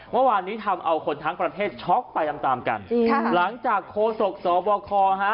เมื่อวานนี้ทำเอาคนทั้งประเทศช็อกไปตามตามกันจริงค่ะหลังจากโคศกสบคฮะ